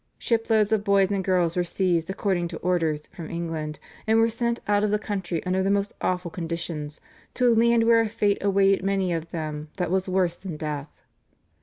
Ship loads of boys and girls were seized according to orders from England, and were sent out of the country under the most awful conditions to a land where a fate awaited many of them that was worse than death.